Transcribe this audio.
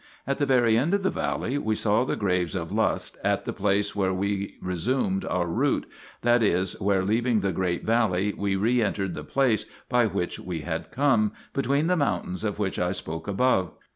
At the very end of the valley we saw the graves of lust, 2 at the place where we resumed our route, that is where, leaving the great valley, we re entered the way by which we had come, between the mountains of which I spoke above.